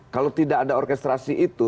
kalau tidak ada orkestrasi itu